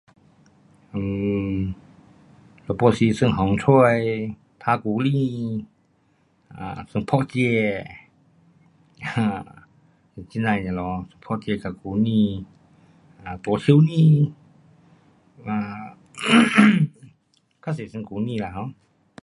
um 有半时玩风吹，打 guli，啊，玩扑鸡，哈，这那的东西，扑鸡跟 guni, 大箱子，um um 较多玩 guni 啦 um。